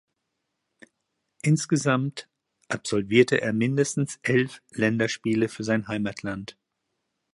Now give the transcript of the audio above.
Insgesamt absolvierte er mindestens elf Länderspiele für sein Heimatland.